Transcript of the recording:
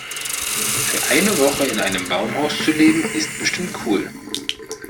Für eine Woche in einem Baumhaus zu leben, ist bestimmt cool.